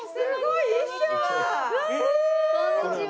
こんにちは。